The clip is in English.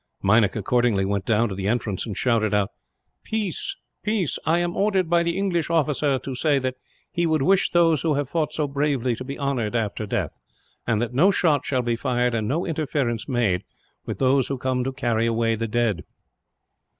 Meinik accordingly went down to the entrance, and shouted out: "Peace, peace! I am ordered, by the English officer, to say that he would wish those who have fought so bravely to be honoured, after death; and that no shot shall be fired, and no interference made, with those who come to carry away the dead."